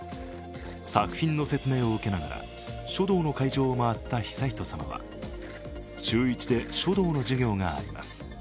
作品の説明を受けながら、書道の会場を回った悠仁さまは、中１で書道の授業があります